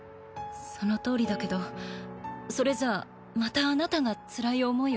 そのとおりだけどそれじゃあまたあなたがつらい思いを。